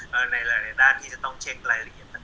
เพราะว่ามันจะมีหลายด้านที่ต้องเช็ครายละเอียด